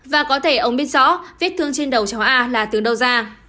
và có thể ông biết rõ vết thương trên đầu cháu a là từ đâu ra